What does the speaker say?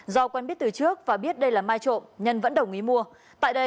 do quen biết từ trước và biết đây là mai trộm nhân vẫn đồng ý mua